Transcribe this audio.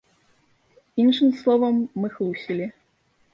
Іншым словам, мы хлусілі.